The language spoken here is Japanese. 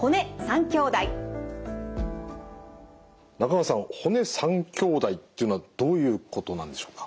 中川さん骨三兄弟っていうのはどういうことなんでしょうか？